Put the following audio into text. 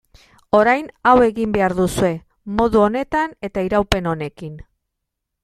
Orain hau egin behar duzue, modu honetan eta iraupen honekin.